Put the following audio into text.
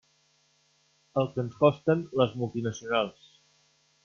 El que ens costen les multinacionals.